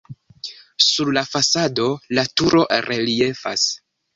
Sur la fasado la turo reliefas.